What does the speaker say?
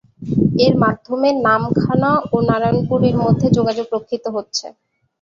এর মাধ্যমে নামখানা ও নারায়াণপুর-এর মধ্যে যোগাযোগ রক্ষিত হচ্ছে।